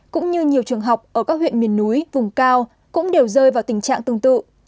cũng như nhiều trường học ở các huyện miền núi vùng cao cũng đều rơi vào tình trạng tương tự